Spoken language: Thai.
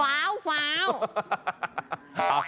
เฟ้าเฟ้า